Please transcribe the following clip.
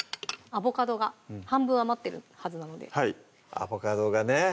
アボカドが半分余ってるはずなのでアボカドがね